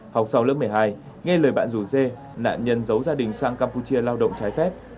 học sau lớp một mươi hai nghe lời bạn rủ dê nạn nhân giấu gia đình sang campuchia lao động trái phép